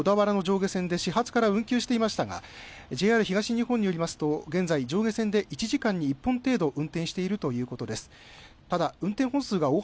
東海道線は熱海から小田原の上下線で始発から運休していましたがＪＲ東日本によりますと現在上下線で１時間に１本程度運転しているということです。